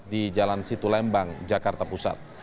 di jalan situlembang jakarta pusat